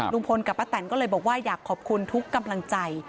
ลุงพลกับป้าแตนก็เลยบอกว่าอยากขอบคุณทุกกำลังใจ